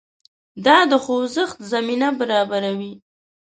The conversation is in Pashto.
دا د خوځښت زمینه برابروي.